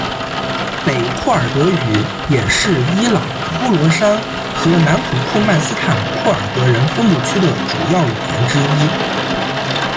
北库尔德语也是伊朗呼罗珊和南土库曼斯坦库尔德人分布区的主要语言之一。